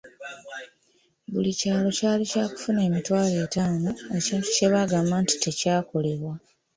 Buli kyalo kyali kyakufuna emitwalo etaano, ekintu kye bagamba nti tekyakolebwa.